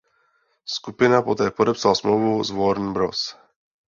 Skupina poté podepsala smlouvu s Warner Bros.